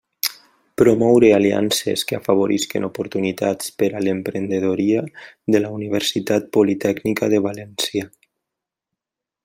Promoure aliances que afavorisquen oportunitats per a l'emprenedoria de la Universitat Politècnica de València.